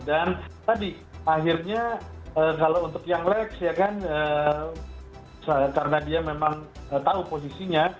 dan tadi akhirnya kalau untuk yanglek ya kan karena dia memang tahu posisinya